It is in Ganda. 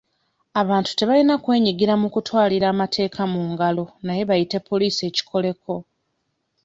Abantu tebayina kwenyigira mu kutwalira mateeka mu ngalo naye bayite poliisi ekikoleko.